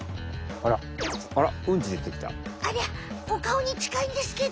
ありゃお顔にちかいんですけど！